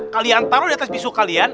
kalian taruh di atas bisu kalian